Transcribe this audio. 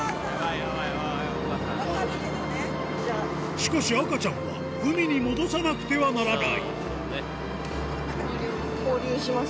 しかし赤ちゃんは海に戻さなくてはならない